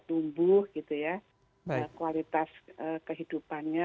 tumbuh gitu ya kualitas kehidupannya